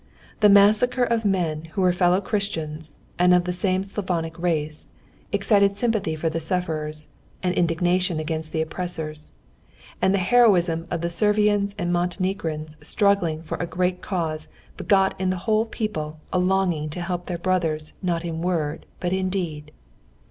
The massacre of men who were fellow Christians, and of the same Slavonic race, excited sympathy for the sufferers and indignation against the oppressors. And the heroism of the Servians and Montenegrins struggling for a great cause begot in the whole people a longing to help their brothers not in word but in deed.